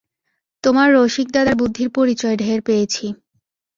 তোমার রসিকদাদার বুদ্ধির পরিচয় ঢের পেয়েছি।